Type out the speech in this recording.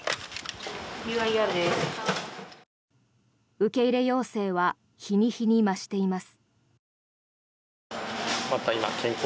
受け入れ要請は日に日に増しています。